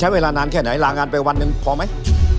เวลานานแค่ไหนลางานไปวันหนึ่งพอไหม